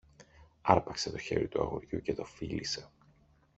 άρπαξε το χέρι του αγοριού και το φίλησε.